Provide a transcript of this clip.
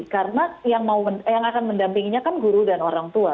karena yang akan mendampinginya kan guru dan orang tua